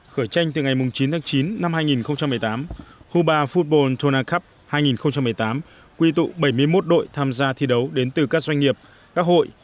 khởi tranh từ ngày chín tháng chín năm hai nghìn một mươi tám hubar food boli cup hai nghìn một mươi tám quy tụ bảy mươi một đội tham gia thi đấu đến từ các doanh nghiệp các hội